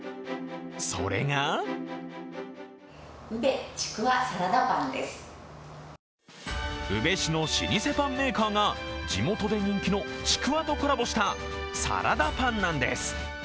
それが宇部市の老舗パンメーカーが地元で人気のちくわとコラボしたサラダパンなんです。